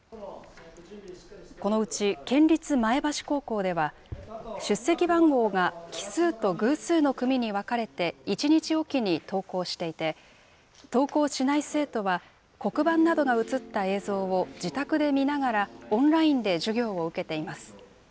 このうち県立前橋高校では、出席番号が奇数と偶数の組に分かれて１日置きに登校していて、登校しない生徒は、黒板などが映った映像を自宅で見ながらオンラインで授業を受けています。